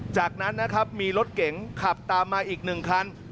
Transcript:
จากนั้นนะครับมีรถเก๋งขับตามมาอีก๑คัน